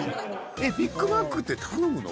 えっビッグマックって頼むの？